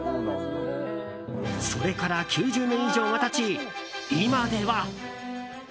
それから９０年以上が経ち今では。